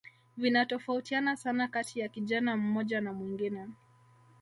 Vinatofautiana sana kati ya kijana mmoja na mwingine